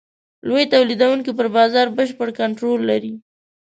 لوی تولیدوونکي پر بازار بشپړ کنټرول لري.